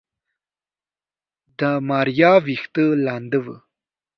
د ماريا ويښته لنده وه.